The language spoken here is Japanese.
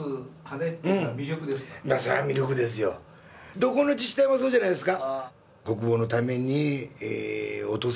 どこの自治体もそうじゃないですか。